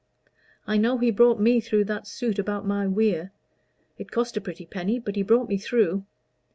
I know he brought me through that suit about my weir; it cost a pretty penny, but he brought me through."